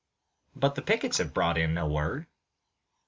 "But the pickets have brought in no word."